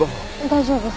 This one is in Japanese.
大丈夫。